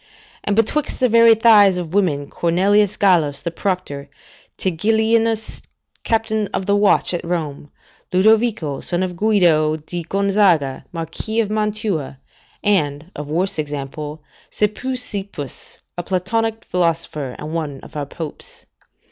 And betwixt the very thighs of women, Cornelius Gallus the proctor; Tigillinus, captain of the watch at Rome; Ludovico, son of Guido di Gonzaga, Marquis of Mantua; and (of worse example) Speusippus, a Platonic philosopher, and one of our Popes.